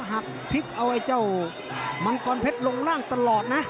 รับหักพิบอกเจ้ามังกรเพชรลงร่างตลอดนะ